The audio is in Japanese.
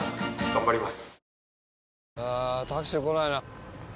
頑張ります！